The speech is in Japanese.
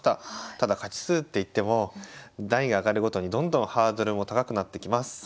ただ勝ち数っていっても段位が上がるごとにどんどんハードルも高くなってきます。